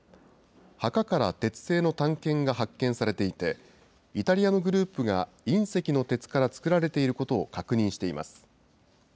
墓から鉄製の短剣が発見されていて、イタリアのグループが隕石の鉄から作られていることを確認しています。